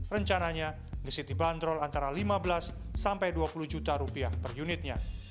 rencananya gesit dibanderol antara lima belas sampai dua puluh juta rupiah per unitnya